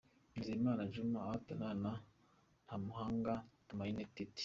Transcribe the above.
Nizeyimana Djuma ahatana na Ntamuhanga Thumaine Tity.